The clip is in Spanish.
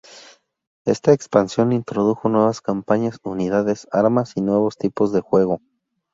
Esta expansión introdujo nuevas campañas, unidades, armas y nuevos tipos de juego.